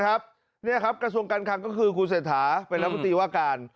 นี่ครับกระทรวงการคังก็คือคุณเศรษฐาเป็นรัฐมนตรีว่าการ